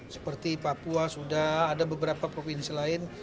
seperti papua sudah ada beberapa provinsi lain